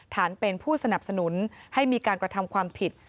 ฐานเป็นผู้สนับสนุนให้มีการกระทำความผิด